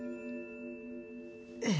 ええ。